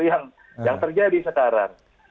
itu yang terjadi sekarang